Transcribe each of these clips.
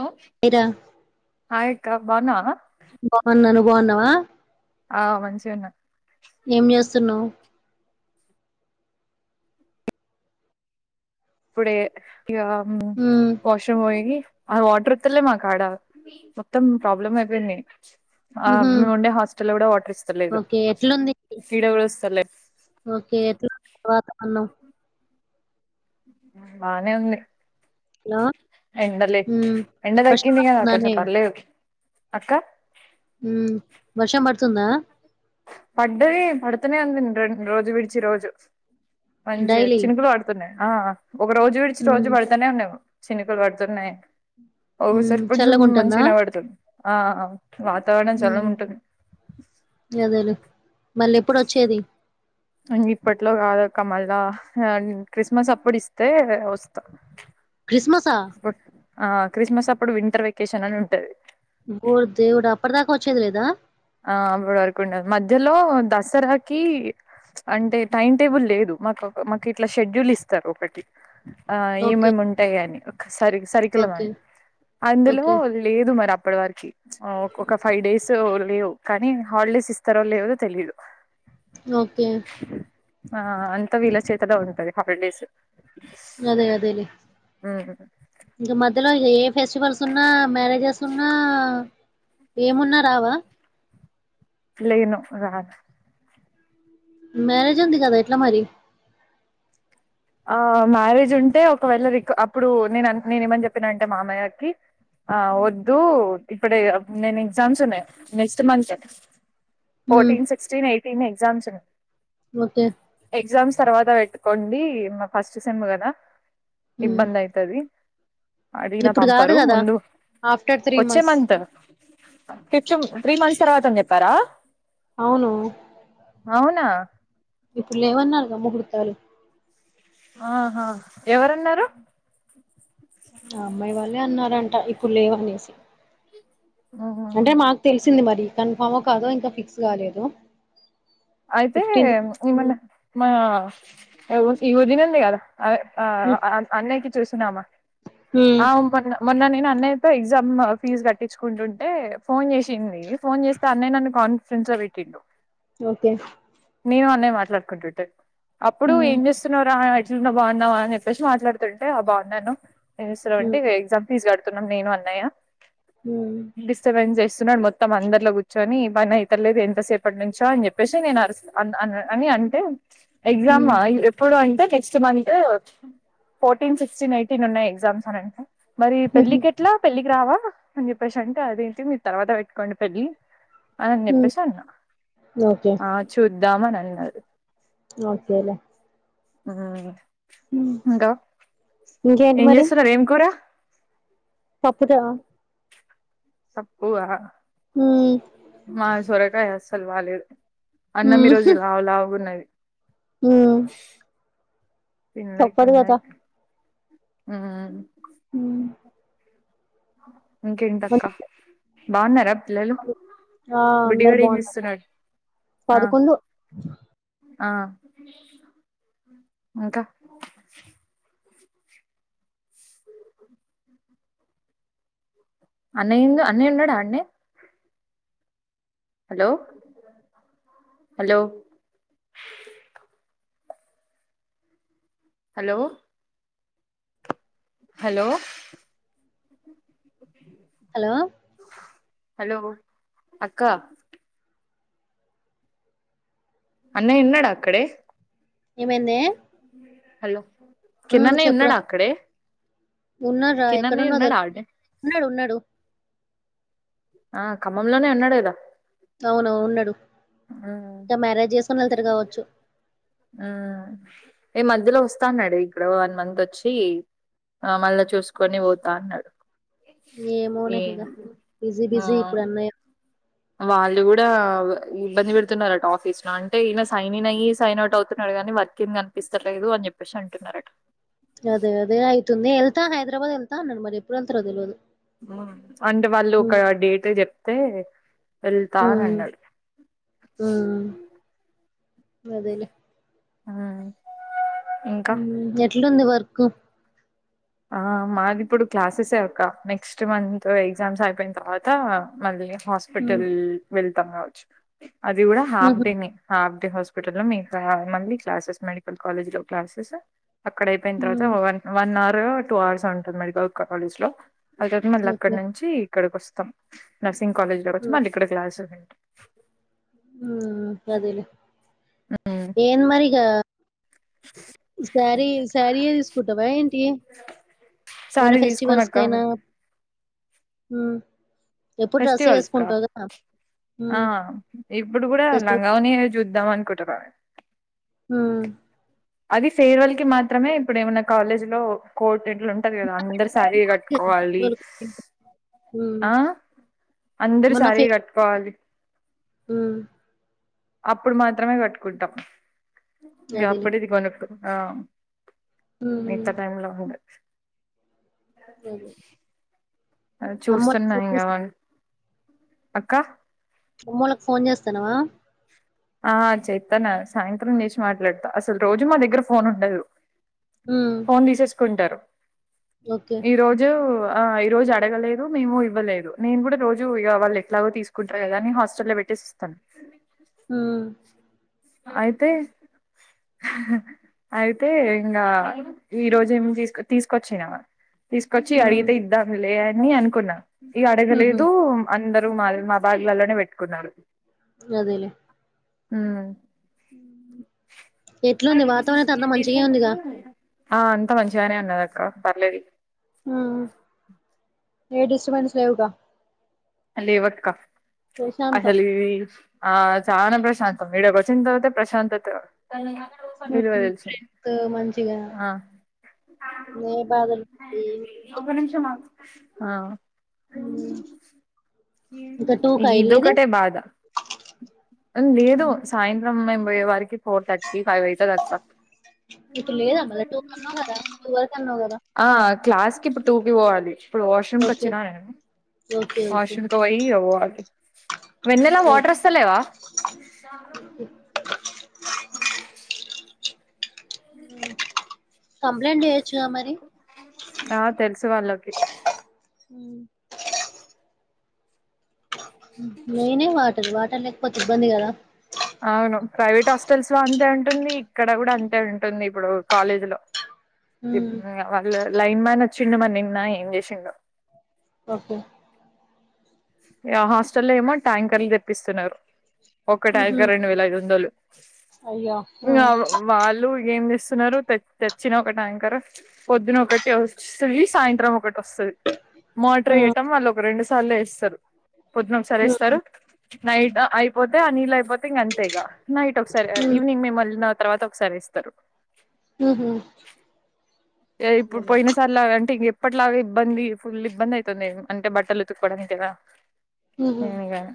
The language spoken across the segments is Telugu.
హలో హాయ్ రా హాయ్ అక్క బాగున్నావా బాగున్నా నువ్వు బాగున్నావా, ఆ మంచిగా ఉన్నా ఏం చేస్తున్నావు ఇప్పుడే ఇగా మ్ హ్మ్ వాష్రూమ్ పోయి అది వాటర్ వత్తలే మా కాడ మొత్తం ప్రాబ్లమ్ అయిపోయింది. ఆ ఉహూ ఉండే హాస్టెల్ కూడా వాటర్ ఇస్తలేదు ఓకే ఎట్లుంది ఇడా కూడా వస్తలేదు, ఓకే ఎట్లా ఉంది వాతావరణం బానే ఉంది. హలో ఎండలే హ్మ్ ఎండ వర్షం తగింది కదా కొంచెం పడుతుందానే పర్లేదు, అక్క ఉ వర్షం పడుతుందా, పడ్డది పడుతనే ఉంది రెం రోజు విడిచి రోజు మంచి డైలీ చినుకులు పడుతున్నాయి ఆ ఒక రోజు విడిచి రోజు హ్మ్ పడుతానే ఉంన్నయి చినుకులు పడుతున్నాయి హ్మ్ ఒసారి కొంచెం చల్లగుంటుందా మంచిగానే పడుతుంది, ఆ వాతావరణం హ్మ్ చల్లగా ఉంటుంది. అదేలే మళ్ళీ ఎప్పుడువచ్చేది, ఆ మళ్ళీ ఇప్పట్లో కాదుక్క మళ్ళా క్రిస్మస్ అప్పుడు ఇస్తే వస్తాం క్రిస్మసా ఆ క్రిస్మస్ అప్పుడు వింటర్ వెకేషన్ అని ఉంటది. ఓరి దేవుడా అప్పటిదాకా వచ్చేది లేదా ఆ అప్పటి వరకుండదు మధ్యలో దస తరవాకి అంటే టైమ్ టేబుల్ లేదు మాకు మాకు ఇట్లా షెడ్యూల్ ఇస్తారు ఒకటి ఆ ఓకే ఏమేమి ఉంటాయ అని ఒక సరి సరికిల ఓకే అని అందులో ఓకే లేదు మరి అ ఇప్పటి వరకి ఒక్క ఫైవ్ డేస్ లేవు కానీ హాలిడేస్ ఇస్తారో లేవుదో తెలిదు, ఓకే ఆ అంతా వీళ్ళ చేతులో ఉంటది హాలిడేస్ అదే అదేలే ఇకా మద్యల ఇ ఏ ఫెస్టివల్స్ ఉన్నా మ్యారేజెస్ ఉన్నా ఏమున్నా రావా లేను రా మ్యరేజ్ ఉంది కదా ఎట్లా మరి ఆ మ్యారేజ్ ఉంటే ఒకవేళ ర అప్పుడు నేను నేను ఏమని చెప్పిన అంటే మామయ్యకి, ఆ వద్దు ఇప్పుడే నేను ఎగ్జామ్స్ ఉన్నాయి నెక్స్ట్ మంత్ ఉమ్ ఫోర్టీన్ సిక్స్టీన్ ఎయిటీన్ ఎగ్జామ్స్ ఉన్నాయి ఓకే ఎగ్జామ్స్ తర్వాత పె కండి మా ఫస్ట్ సేమ్ కదా ఉమ్ ఇబ్బంద అయితది అడిగిన ఇప్పుడు కాదు పంపరు కదా ముందు ఆఫ్టర్ త్రీ వచ్చే months month fifth three months తర్వాత అన్ని చెప్పారా, అవును అవునా ఇప్పుడు ఏమాన్నారు గంత మూర్తన్నావ్, ఆహా ఎవరన్నారు, ఆ అమ్మాయి వాళ్ళే అన్నారంట ఇప్పుడు లేవనేసి ఉహు వచ్చింది మరి కన్ఫామ్ కాదో ఇంకా ఫిక్స్ కాలేదు, అయితే ఫిఫ్టీన్త్ ఈ ఉమ్ మనే మా ఈ వదిననే కదా ఆ ఉమ్ అన్నయకి చూసినామా ఉమ్ ఆ మళ్ల మొన్న నేను అన్నయ్యతో ఎగ్జామ్ ఫీజ్ కట్టించుకుంటుంటే ఫోన్ చేసింది, ఫోన్ చేస్తే అన్నయ్య నన్ను కాన్ఫిడెన్స్ లో పెట్టిండు ఓకే నేను అన్నయ మాట్లాడుకుంటుంటే అప్పుడు ఉమ్ ఏం చేస్తున్నారా ఆ నా బాగున్నావా అని చెప్పేసి మాట్లాడుతుంటే ఆ బాగున్నాను అన్న ఏంచేస్తూరు అంటే ఉమ్ ఎగ్జామ్ ఫీజు కడుతున్న, సున్నం నేను అన్నయ్య ఉమ్ డిస్టబన్స్ చేస్తున్నారు మొత్తం అందర్లో గుర్చోని బని అయితలేదు ఎంతసేపటి నుంచో అని చెప్పేసి నేను అరుస్ అన్ అన్ అని అంటే ఎగ్జామ్ ఉమ్ అ ఇ ఎప్పుడు అంటే next month fourteen sixteen eighteen ఉన్నాయ్ ఎగ్జామ్స్ అనంటే మరీ పెళ్ళి కెట్లా పెళ్ళికి రావా అన్ చెప్పేసి అంటే అదేంటి మీరు తర్వాత వెట్కోండి పెళ్ళి అనని ఉమ్ చెప్పేశి అన్న ఓకే ఆ చూద్దామని అన్నారు ఓకేలే ఆ హ్మ్, ఇంక ఇంకేంటి ఏం జేస్సున్నరు ఏం కూర పప్పుదా పప్పు ఆ ఉమ్ మా సొరకాయ్ అస్సల్ బాలేదు అన్నం ఈరోజు లావు లావుగున్నది ఊ [unintelligible] హు ఇంకెంటక్క బా ఉన్నర త్లలు ఆ అందరు బుడ్డిగాడు ఏం బాగున్నారు జేస్సున్నా ఆ పడుకుండు ఆ ఇంకా అన్నయేందొ అన్నయ్య ఉన్నడా అండి hello hello hello hello hello hello అక్క అన్నయ్ ఉన్నాడా అక్కడే ఏమైందే హలొ కిన్నన్నయ్ ఉన్నాడా ఆక్కడే ఉన్నాడు రా ఎక్కడున్నా దొ ఉన్నాడు ఉన్నాడు ఆ ఖమ్మంలోనే ఉన్నాడు గదా అవునవు ఉన్నడు ఆ కావచ్చు ఆ ఎ మధ్యలో వస్తా అన్నాడే ఇక్కడో వన్ మంత్ ఒచ్చీ ఆ మళ్ళ చూసుకొని వోతా అన్నడు ఏమోనే ఇగ బిజీ బిజీ ఆ ఇప్పుడు అన్నయ్య వాళ్ళు గూడా ఇబ్బంది వెడుతున్నారట ఆఫీస్ ల, అంటే ఈయన సైన్ ఇన్ అయ్యి సైన్ అవుట్ అవుతున్నా. దేగాని వర్కిన్ అనిపిస్తలేదు అని చెప్పేసి అంటున్నారట గదే అదే అయితుంది ఎళ్తా హైదరాబాద్ ఎళ్తా అన్నడు మరి ఎప్పుడు ఎళ్తరో దెల్వదు అంటే వాళ్ళు ఒక డేట్ జెప్తే ఎళ్తా అని ఉమ్ అన్నడు ఉమ్ అదేలే ఆ ఊ ఎట్లుంది వర్క్ ఆ మాది ఇప్పుడు క్లాసెసే అక్క, నెక్స్ట్ మంత్ ఎగ్జామ్స్ అయిపోయిన తర్వాతా మళ్ళీ. ఉమ్ హాస్పిటల్ వెళ్తాం ఆవచ్చు అది గూడా హాఫ్ ఉహు డేనే హాఫ్ హాస్పిటల్ లో మీతా మళ్ళీ క్లాసెస్ మెడికల్ కాలేజ్ లో క్లాసెస్ అక్కడ అయిపోయిన ఉమ్ తర్వాత వన్ వన్ అవర్ టూ అవర్సో ఉంటది మెడికల్ క కాలేజ్ లో అ తవత మళ్ళ అక్కడ ఓకే నుంచి ఇక్కడికి వస్తాం నర్సింగ్ కాలేజ్ లోకొచ్చి మళ్ళీ ఇక్కడ క్లాసెస్ వి హూమ్ గదేలే [unintelligible] ఇగా సారీ సారీయే తీసుకుటవా ఏంటి ఏమన్నా సారీ ఫెస్టివల్స్ తీసుకోనక్క కయినా ఎప్పుడు డ్రస్ ఏ ఫెస్టివల్స్కా ఏసుకుంటావుగా ఆ ఇప్పుడు కూడా లంగా వొనినేని చూద్దాం అనుకుంటున్న మ్మ్ అది ఫేయిర్వల్ కి మాత్రమే ఇప్పుడు ఏమన్నా కాలేజీ లో కో ఇట్లా ఉంటాది కదా అందరు శారీ కట్టుకోవాలి హ్మ్. ఆ అందరు సారి కట్టుకోవాలి ఉను అప్పుడు మాత్రమే కట్టుకుంటా ఇంక అదేలే. అప్పుడే ఇది కొనుక్కున్న ఇంత హ్మ్. టైమ్ లో మాములే అంతేలే అ చూస్తున్నా ఇంగావళ్ అక్క అమ్మోళ్ళకి ఫోన్ చేస్తాన్నవా ఆ చేత్తాన్న సాయంత్రం చేసి మాట్లాడుతా అసలు రోజు మా దగ్గర ఫోన్ ఉండదు మ్మ్ కుంటారు ఈ రోజు ఆ ఈ రోజు అడగలేదు మేము ఇవ్వలేదు నేను కూడా రోజు వాళ్ళు ఎట్లాగో తీసుకుంటారు కదా అని హాస్టల్ లో పెట్టి ష్టాక్స్ మ్మ్ అయితే అయితే ఇంగా ఈ రోజేమి తీసు తీసుకొచ్చిన తీసుకొచ్చి హ్మ్. అడిగితే ఇద్దాములే అని అనుకున్నా ఇగ హుహు. అడగలేదు అందరు మాల్ మా బాగ్ లలోనే పెట్టుకున్నా అదేలే ఉన ఎట్లుంది వాతావరణం అయితే అంత మంచిగే ఉందిగా ఆ అంత మంచిగానే ఉన్నది అక్క పర్లేదు ఉనా ఏ డిస్టబెన్స్ లేవు గా అ లేవక్క ప్రశాంతం. అసలీ ఇది ఆ చాన ప్రశాంతం ఇడకు వచ్చిన తరువాత ప్రశాంతత విలువ తెలిసింది ఎంతొ మంచిగా ఆ లేవు బాధలు ఏమ్ ఆ మ్మ్ ఇదొకటే బాధ లేదు హ్మ్. సాయంత్రం వారికి ఫోర్ థర్టీ ఫైవ్ అయితాది అక్క ఇప్పు లేదా అన్నావు కదా టూ కన్నావ్ కదా టూ వరకు అన్నావు కదా ఆ క్లాస్ కి ఇప్పుడు టూకి పోవాలి ఇప్పుడు వాష్ రూమ్ కి ఓకే వచ్చినా నేను ఓకే వాష్ ఓకే రూమ్ కి పొయి ఇగ పొవాలి వెన్నెలా వాటర్ ఓకే వాస్తలేవా కంప్లైంట్ చే ఆ తెలుసు వాళ్ళకి ఉను నెయినే వాటర్ వాటర్ లేకపోతే ఇబ్బంది కదా అవును ప్రైవేట్ హాస్టల్స్ లో అంతే ఉంటుంది ఇక్కడ కూడా అంతే ఉంటుంది ఇప్పుడు కాలేజీ లో ఉమ్ వాళ్ళ లైన్ మ్యాన్ వచ్చిండ మరి నిన్న ఏం చేసిండొ ఓకే ఆ హాస్టల్లో ఏమో ట్యాంకర్లు తెప్పిస్తున్నారు ఒకటి ఉహు అయితే రెండు వేల ఐదు వందలు అయ్యో ఆ ఇగా వాళ్ళు ఏం చేస్ తున్నారు తె తెచ్చిన ఒకటయంకర్ పొద్దున ఒకటి వస్తది సాయంత్రం ఒకటి వస్తది మోటర్ ఆ వెయటం వాళ్ళు ఒక రెండు సార్లు వేస్తారు పొద్దున ఒకసారి ఉమ్ వేస్తారు. నైట్ అయిపోతే అ నీళ్ళు అయిపోతే ఇంగ అంతే ఇక, నైట్ ఒకసారి ఉమ్ ఈవనింగ్ మేము వెల్ తర్వాత ఒకసారి. ఇస్తారు ఊ హు ఏ ఇప్పుడు పోయిన సర్లాగా అంటే ఇగ అప్పట్లాగా ఇబ్బంది ఫుల్ ఇబ్బంది అవుతుంది అంటే బట్టలు ఉతుక్కకోవడానికి కదా ఉహు అదే గదా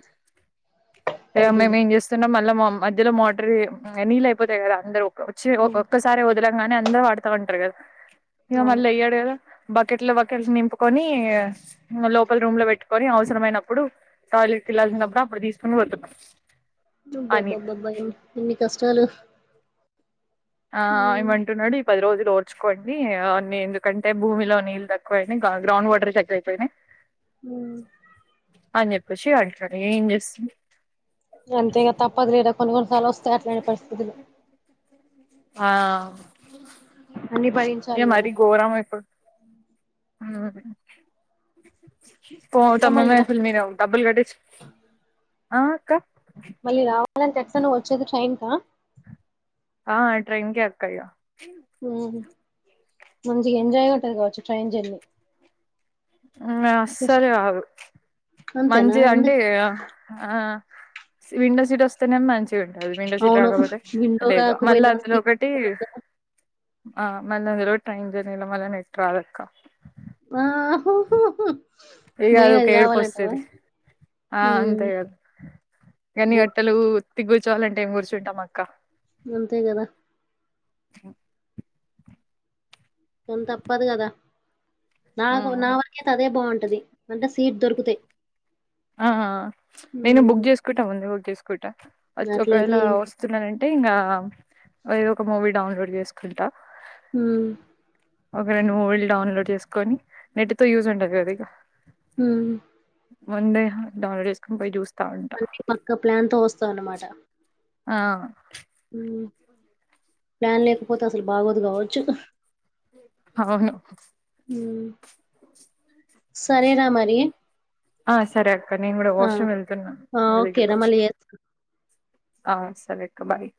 మేము అదేలే ఏం చేస్తున్నాం మళ్ళా మధ్యలో మోటర్ నీళ్ళు అయిపోతాయి కదా అందరు వచ్చి ఒ ఉమ్ ఒక్కసారి వదలంగానే అందరు పడుతా ఉంటారు కదా అవును బకెట్లు బకెట్లు నింపుకొని లోపల్ రూమ్ లో పెట్టుకొని అవసరమైనప్పుడు టాయిలెట్ పిల్లలున్నాప్పుడు అప్పుడు తీసుకొన్పోత బ్బా బ్బా బ్బా బ్బాఏన్ ఎన్ని కష్టాలు ఆ ఉమ్ ఏమంటున్నాడిప్ పది రోజులు ఒడ్చుకోండి అన్ని ఎందుకంటే, భూమిలో నీళ్ళు తక్కువైనాయ్ గ్రౌండ్ వాటర్ చక్క అయిపోయినాయి. ఊ అని చెప్పేసి అంటడు ఏం చేస్ అంతే ఇగ తప్పదు కాదా కొన్ని కొన్నిసార్లు వస్తాయి అట్లాంటి పరిస్థితులు ఆ అన్ని ఇగ భరించాలి కదా మారి గోరమయిపో [unintelligible] ఎట్లా పోతమ్ మళ్ళీ రా మేము మీరె డబ్బులు కట్టించు ఆ అక్క మళ్ళీ రావాలని అంటే ఎట్ల నువ్ వచ్చేది ట్రైన్ కా ఆ ట్రైన్ కే అక్కయ్య మంచిగా ఎంజాయ్గా ఉంటాది కావచ్చు ట్రైన్ జర్నీ అస్సలు కాదు అంతేనా మంచిగ అంటే ఎందుకు ఆ ఆ విండో సీట్ వస్తానే మంచి ఉంటది విండో సీట్ అవును రాకపోతే విండో లేదు ఆ కాకపోయినా మళ్ళొటి ట్రైన్ జర్నీలో మళ్ళ నెట్ రాధాక్క హు హు హు ఈగ అదొక ఏడ్పోస్తది ఆ అంతే కద్ ఏన్ని గంటెలు ఉత్తిగ గుర్చోవాలంటే ఏం కూర్చుంటాం అక్క అంతే కదా ఉ కొంత తప్పదు కదా నాకు నా ఉమ్. వరకే అదే బాగుంటు ది అంటే సీట్ దొరుకుతే ఆ నేను బుక్ చేసుకుంటా ముంది బుక్ చేసుకు కుంట అట్లయితే ఒకవేళ ఏం వస్తున్నానంటే ఇంగా ఏదో ఒక మూవీ డౌన్లోడ్ చేసుకుంటా ఊ ఒకరొండుముళ్ డౌన్లోడ్ చేసుకొని నెట్ తో యూజ్ ఉండదు కద ఇగా హు ముందే డౌన్ లోడ్ చేసుకని పోయి చూస్త అంటే పక్కా ప్లాన్ తో వస్తావాన్నమాట ఆ ప్యాన్ లేకపోతే అసలు బాగోదు కావచ్చు అవును సరే రా మరి ఆ సరే అక్క నేను కూడా ఆ! వాషరూమ్ వెళ్తున్నా ఆ! మీ దగ్గరకి ఓకేరా వచ్చి మళ్ళీ చేస్తా. ఆ సరే అక్క బాయ్